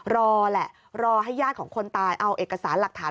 รอแหละรอให้ญาติของคนตายเอาเอกสารหลักฐาน